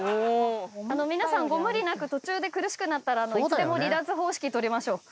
皆さんご無理なく途中で苦しくなったら離脱方式取りましょう。